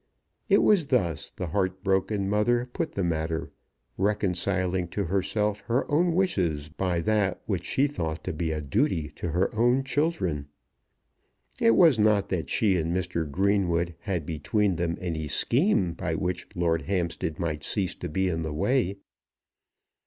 It was thus the heart broken mother put the matter, reconciling to herself her own wishes by that which she thought to be a duty to her own children. It was not that she and Mr. Greenwood had between them any scheme by which Lord Hampstead might cease to be in the way.